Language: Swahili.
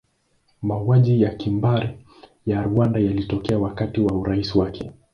Mauaji ya kimbari ya Rwanda yalitokea wakati wa urais wake.